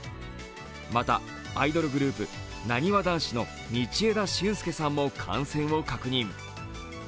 また、アイドルグループ、なにわ男子の道枝駿佑さんも感染を確認。